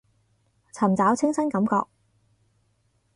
尋找清新感覺